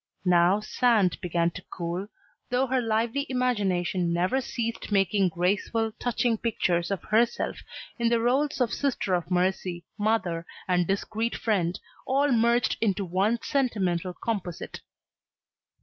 Now Sand began to cool, though her lively imagination never ceased making graceful, touching pictures of herself in the roles of sister of mercy, mother, and discreet friend, all merged into one sentimental composite.